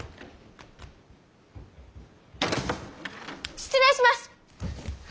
失礼します！